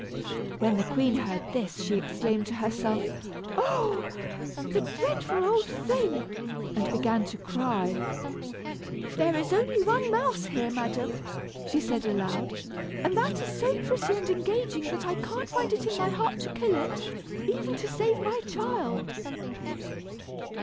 When the queen heard this, she exclaimed to herself, "Oh! the dreadful old thing!" and began to cry. "There is only one mouse here, madam," she said aloud, "and that is so pretty and engaging that I can't find it in my heart to kill it, even to save my child."